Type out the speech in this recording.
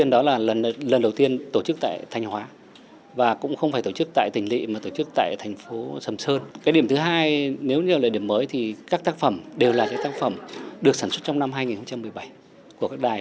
điểm thứ hai là các tác phẩm được sản xuất trong năm hai nghìn một mươi bảy của các đài